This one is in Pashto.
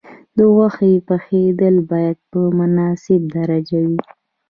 د غوښې پخېدل باید په مناسبه درجه وي.